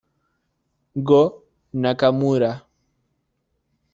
Go Nakamura